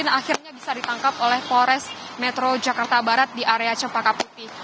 dan akhirnya bisa ditangkap oleh polres metro jakarta barat di area cempaka putih